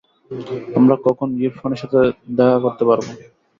আমরা কখন ইরফানের সাথে দেখা করতে পারব?